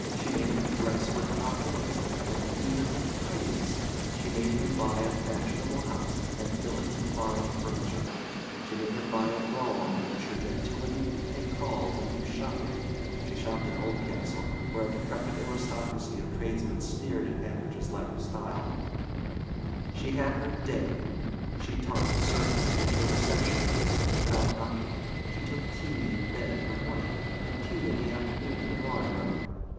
She made him dress with opulence, and even with tidiness; she made him buy a fashionable house and fill it with fine furniture; she made him buy a brougham in which her gentility could pay calls and do shopping (she shopped in Oldcastle, where a decrepit aristocracy of tradesmen sneered at Hanbridge's lack of style); she had her 'day'; she taught the servants to enter the reception rooms without knocking; she took tea in bed in the morning, and tea in the afternoon in the drawing room.